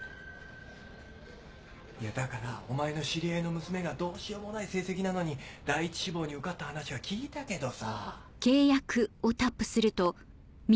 いやだからお前の知り合いの娘がどうしようもない成績なのに第１志望に受かった話は聞いたけどさ。